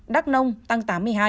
đắk nông tăng tám mươi hai